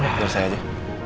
biar saya aja